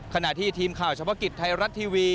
ขณะที่ทีมข่าวเฉพาะกิจไทยรัฐทีวี